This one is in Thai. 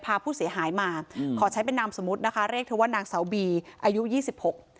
พาผู้เสียหายมาอืมขอใช้เป็นนามสมมุตินะคะเรียกเธอว่านางสาวบีอายุยี่สิบหก